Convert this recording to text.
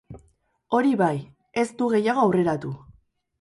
Hori bai, ez du gehiago aurreratu.